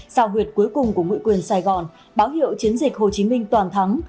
xào huyệt cuối cùng của ngụy quyền sài gòn báo hiệu chiến dịch hồ chí minh toàn thắng